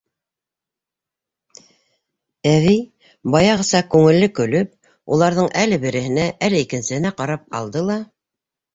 Әбей, баяғыса күңелле көлөп, уларҙың әле береһенә, әле икенсеһенә ҡарап алды ла: